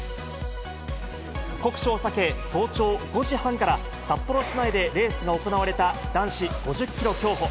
酷暑を避け、早朝５時半から札幌市内でレースが行われた、男子５０キロ競歩。